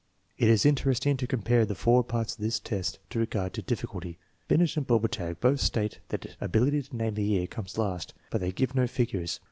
It is interesting to compare the four parts of this test in regard to difficulty. Binet and Bobertag both state that ability to name the year comes last, but they give no figures.